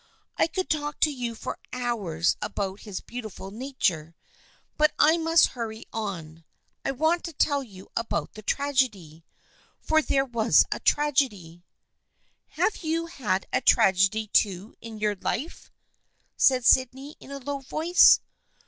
I could talk to you for hours about his beautiful nature, but I must hurry on. I want to tell you about the tragedy. For there was a tragedy." " Have you had a tragedy too in your life?" said Sydney in a low voice.